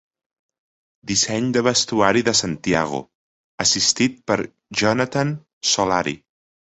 Disseny de vestuari de Santiago, assistit per Jonathan Solari.